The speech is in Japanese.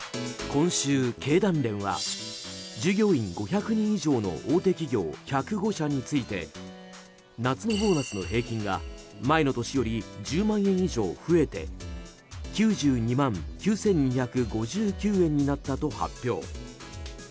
今週、経団連は従業員５００人以上の大手企業１０５社について夏のボーナスの平均が前の年より１０万円以上増えて９２万９２５９円になったと発表。